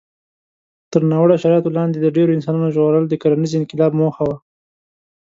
تر ناوړه شرایطو لاندې د ډېرو انسان ژغورل د کرنيز انقلاب موخه وه.